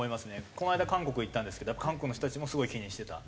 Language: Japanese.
この間韓国行ったんですけど韓国の人たちもすごい気にしてた。